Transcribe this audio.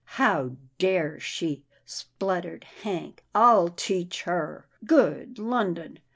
"How dare she?" spluttered Hank, "I'll teach her — Good London